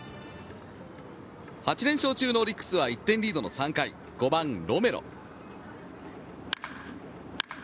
８連勝中のオリックスは１点リードの３回５番、ロメロ。